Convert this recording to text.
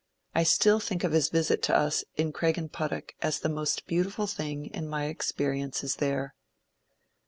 I still think of his visit to us in Craigenputtoch as the most beautiful thing in my experiences there."